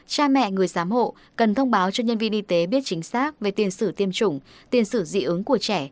cha mẹ người giám hộ cần thông báo cho nhân viên y tế biết chính xác về tiền sử tiêm chủng tiền sử dị ứng của trẻ